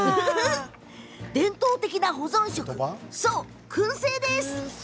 伝統的な保存食、くん製です。